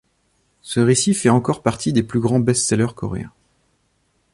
Ce récit fait encore partie des plus grands best-seller coréen.